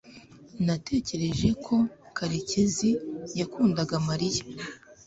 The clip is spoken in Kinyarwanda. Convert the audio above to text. natekereje ko karekezi yakundaga mariya